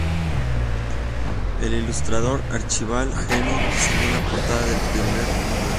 El ilustrador Archibald Henning diseñó la portada del primer número.